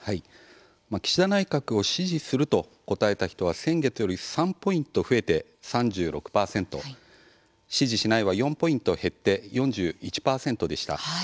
岸田内閣を支持すると答えた人は先月より３ポイント増えて３６％支持しないは４ポイント減って４１％でした。